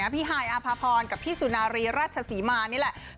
พี่ฮายอาภาพรกับพี่สุนารีราชศรีมานี่แหละ